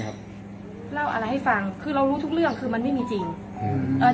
แต่ทุกเรื่องคือมันไม่มีจริง